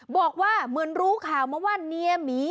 บอกว่าเหมือนรู้ข่าวมาว่าเมียหมี